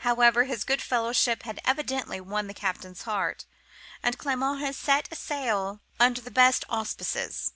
However, his good fellowship had evidently won the captain's heart, and Clement had set sail under the best auspices.